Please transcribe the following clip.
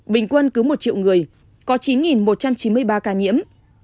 bình quân cứ một triệu người có chín một trăm chín mươi ba ca nhiễm